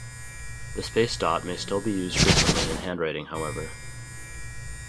The space dot may still be used frequently in handwriting, however.